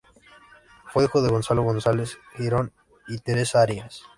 Fue hijo de Gonzalo González Girón y Teresa Arias.